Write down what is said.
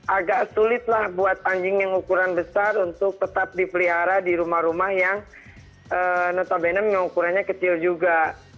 agak sulit lah buat anjing yang ukuran besar untuk tetap dipelihara di rumah rumah yang notabenem yang ukurannya kecil juga